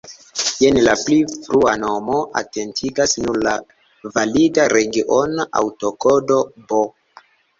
Je la pli frua nomo atentigas nur la valida regiona aŭtokodo "B".